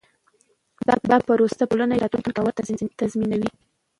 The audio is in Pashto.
دا پروسه په ټولنه کې راتلونکی باور تضمینوي.